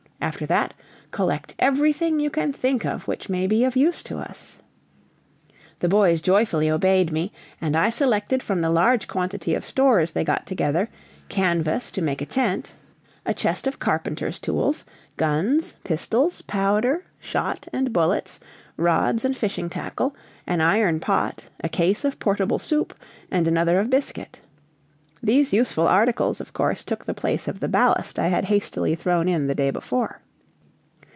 After that, collect everything you can think of which may be of use to us." The boys joyfully obeyed me, and I selected from the large quantity of stores they got together, canvas to make a tent, a chest of carpenter's tools, guns, pistols, powder, shot, and bullets, rods and fishing tackle, an iron pot, a case of portable soup, and another of biscuit. These useful articles, of course, took the place of the ballast I had hastily thrown in the day before.